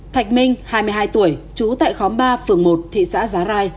thạch minh hai mươi hai tuổi trú tại khóm ba phường một thị xã giá rai